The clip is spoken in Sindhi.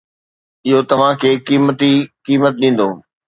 اهو توهان کي قيمتي قيمت ڏيندو